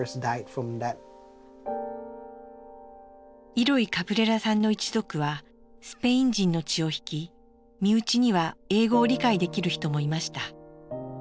イロイ・カブレラさんの一族はスペイン人の血を引き身内には英語を理解できる人もいました。